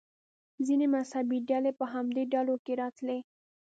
ځینې مذهبي ډلې په همدې ډلو کې راتلې.